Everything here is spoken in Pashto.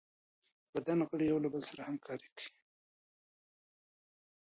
د بدن غړي یو له بل سره همکاري کوي.